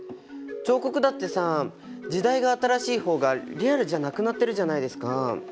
彫刻だってさ時代が新しい方がリアルじゃなくなってるじゃないですか。